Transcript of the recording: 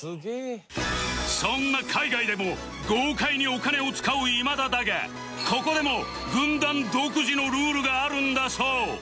そんな海外でも豪快にお金を使う今田だがここでも軍団独自のルールがあるんだそう